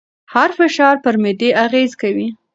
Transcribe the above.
هر فشار پر معده اغېز کوي.